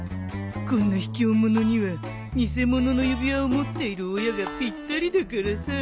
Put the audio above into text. こんなひきょう者には偽物の指輪を持っている親がぴったりだからさ。